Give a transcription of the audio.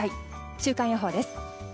週間予報です。